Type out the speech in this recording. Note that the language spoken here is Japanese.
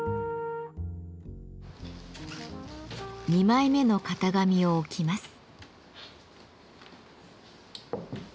２枚目の型紙を置きます。